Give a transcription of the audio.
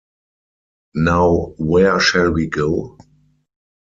Now where shall we go?